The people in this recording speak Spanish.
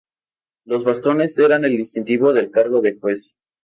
Los bastones eran el distintivo del cargo de juez.